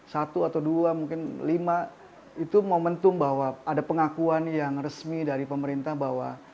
satu atau dua mungkin lima itu momentum bahwa ada pengakuan yang resmi dari pemerintah bahwa